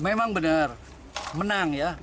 memang benar menang ya